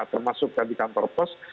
termasuk tadi kantor pos